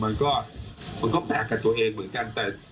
มันก็แปลกกับตัวเองเหมือนกัน